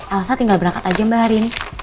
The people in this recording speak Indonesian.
elsa tinggal berangkat aja mba hari ini